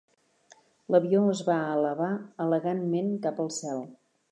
L'avió es va elevar elegantment cap al cel.